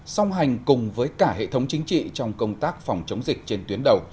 song hành cùng với cả hệ thống chính trị trong công tác phòng chống dịch trên tuyến đầu